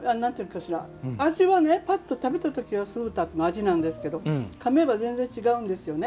味はねぱっと食べたときは酢豚の味なんですけどかめば全然違うんですよね。